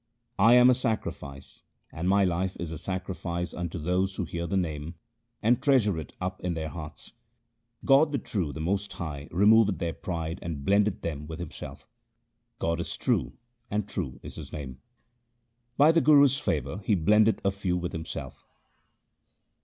I am a sacrifice, and my life is a sacrifice unto those who hear the Name and treasure it up in their hearts. God the true, the most high, removeth their pride and blendeth them with Himself. God is true, and true is His name. By the Guru's favour He blendeth a few with Himself.